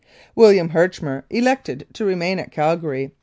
William Herchmer elected to remain at Calgary, 34 1886 88.